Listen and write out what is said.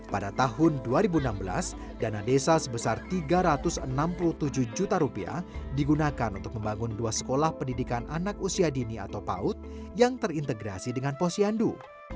pada tahun dua ribu enam belas dana desa sebesar rp tiga ratus enam puluh tujuh juta rupiah digunakan untuk membangun dua sekolah pendidikan anak usia dini atau paut yang terintegrasi dengan posyandu